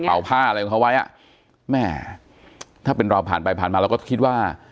ผ้าอะไรของเขาไว้อ่ะแม่ถ้าเป็นเราผ่านไปผ่านมาเราก็คิดว่า